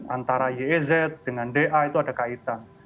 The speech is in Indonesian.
antara yez dengan da itu ada kaitan